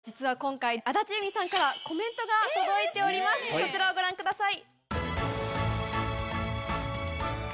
こちらをご覧ください。